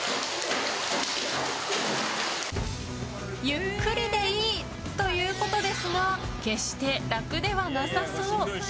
ゆっくりでいいということですが決して楽ではなさそう。